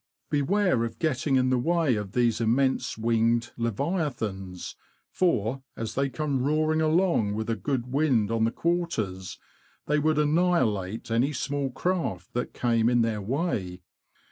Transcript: Beware of getting in the way of these immense winged leviathans, for, as they come roar ing along with a good wind on the quarters, they would annihilate any small craft that came in their way.